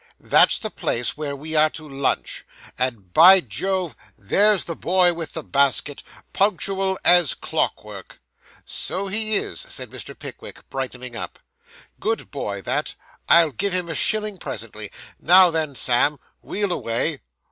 'That's the place where we are to lunch; and, by Jove, there's the boy with the basket, punctual as clockwork!' 'So he is,' said Mr. Pickwick, brightening up. 'Good boy, that. I'll give him a shilling, presently. Now, then, Sam, wheel away.